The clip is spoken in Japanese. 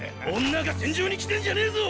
女が戦場に来てんじゃねェぞ！